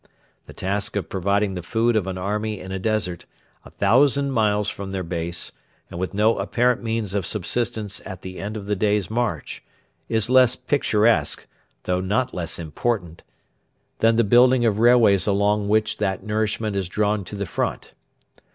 The task of providing the food of an army in a desert, a thousand miles from their base, and with no apparent means of subsistence at the end of the day's march, is less picturesque, though not less important, than the building of railways along which that nourishment is drawn to the front.